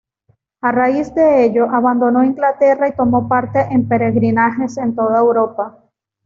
A raíz de ello, abandonó Inglaterra y tomó parte en peregrinajes en toda Europa.